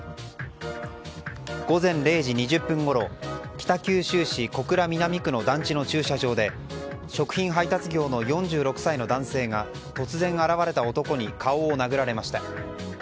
午前０時２０分ごろ北九州市小倉南区の団地の駐車場で食品配達業の４０代の男性が突然現れた男に顔を殴られました。